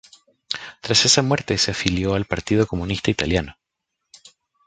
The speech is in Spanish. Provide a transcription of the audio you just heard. Tras esa muerte se afilió al Partido Comunista Italiano.